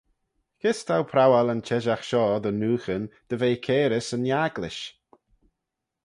Kys t'ou prowal yn çheshaght shoh dy nooghyn dy ve cairys yn agglish?